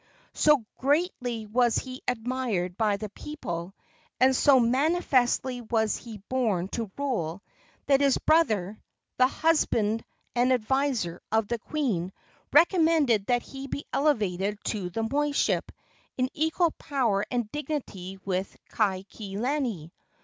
So greatly was he admired by the people, and so manifestly was he born to rule, that his brother, the husband and adviser of the queen, recommended that he be elevated to the moiship, in equal power and dignity with Kaikilani.